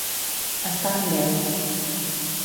Estar en veu.